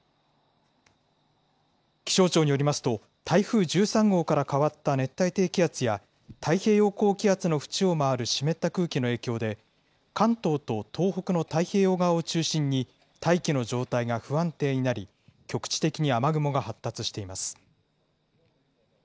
気象庁によりますと、台風１３号から変わった熱帯低気圧や、太平洋高気圧の縁を回る湿った空気の影響で、関東と東北の太平洋側を中心に、大気の状態が不安定になり、局地的に雨雲が発達しています。